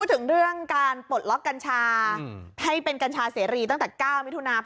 ถึงเรื่องการปลดล็อกกัญชาให้เป็นกัญชาเสรีตั้งแต่๙มิถุนา